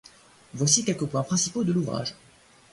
Voici quelques points principaux de l'ouvrage.